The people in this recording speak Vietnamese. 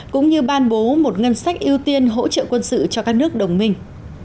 cũng như ban bố một ngân sách ưu tiên hỗ trợ quân sự cho các nước đồng minh